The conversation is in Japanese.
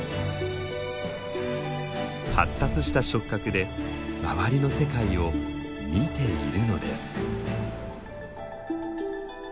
発達した触角で周りの世界を「見て」いるのです。